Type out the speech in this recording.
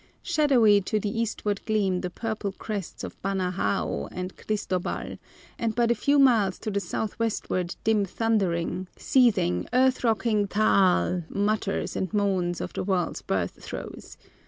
Shadowy to the eastward gleam the purple crests of Banahao and Cristobal, and but a few miles to the southwestward dim thundering, seething, earth rocking Taal mutters and moans of the world's birth throes.